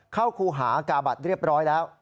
ครูหากาบัตรเรียบร้อยแล้ว